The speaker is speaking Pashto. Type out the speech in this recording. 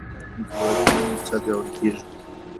د کلیوالي میرمنو اقتصاد پیاوړی کیږي